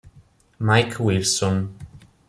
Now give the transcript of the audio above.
Mike Wilson